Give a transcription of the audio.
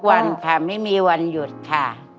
วันค่ะไม่มีวันหยุดค่ะ